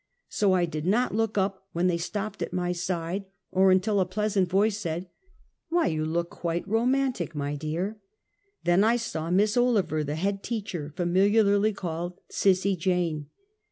So I did not look up when they stopped at my side, or until a pleas ant voice said: " Why you look quite romantic, my dear." Then I saw Miss Olever, the head teacher, familiarly called " Sissy Jane."